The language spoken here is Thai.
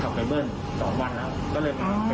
ขับไปเบิ่น๒วันแล้วก็เลยมาเป็นข่าว